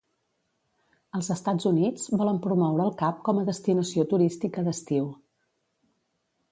Als Estats Units, volen promoure el Cap com a destinació turística d'estiu.